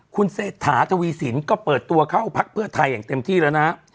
คุณเศรษฐาทวีสินก็เปิดตัวเข้าพักเพื่อไทยอย่างเต็มที่แล้วนะ